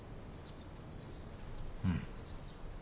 うん。